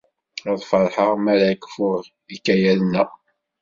Ad feṛḥeɣ mi ara kfuɣ ikayaden-a.